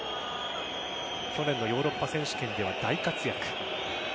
去年のヨーロッパ選手権では大活躍。